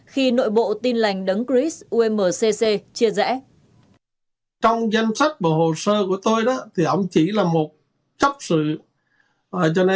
khi nội bộ tin lành đấng chris umcc chia rẽ